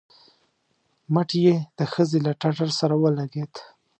مټ يې د ښځې له ټټر سره ولګېد.